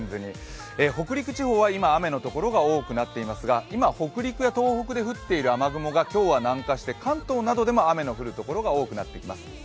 北陸地方は今、雨のところが多くなっていますが今、北陸や東北で降っている雨雲が今日は南下して関東などでも雨の降る所が多くなっています。